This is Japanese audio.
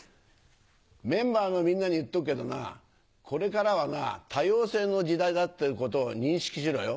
メンバーのみんなに言っとくけどなこれからは多様性の時代だっていうことを認識しろよ。